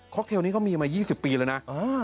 คล็อกเทลฯนี้ก็มามา๒๐ปีเลยนะ